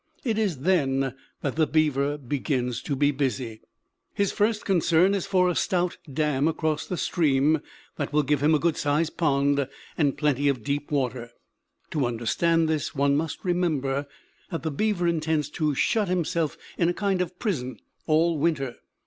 It is then that the beaver begins to be busy. His first concern is for a stout dam across the stream that will give him a good sized pond and plenty of deep water. To understand this, one must remember that the beaver intends to shut himself in a kind of prison all winter.